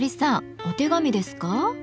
お手紙ですか？